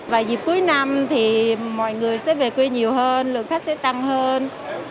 và dịp cuối năm thì mọi người sẽ về quê nhiều hơn lượng khách sẽ tăng hơn